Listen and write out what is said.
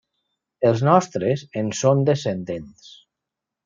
Els nostres en són descendents.